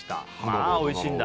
ああおいしいんだ